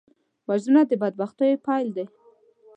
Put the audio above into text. وژنه د بدبختیو پیل دی